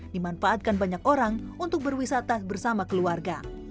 dimanfaatkan banyak orang untuk berwisata bersama keluarga